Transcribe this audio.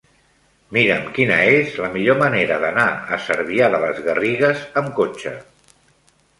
Mira'm quina és la millor manera d'anar a Cervià de les Garrigues amb cotxe.